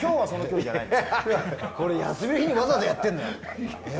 これ、休みの日にわざわざやってるんでしょ？